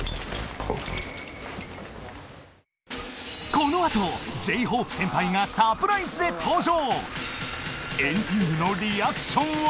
この後 Ｊ−ＨＯＰＥ 先輩がサプライズで登場！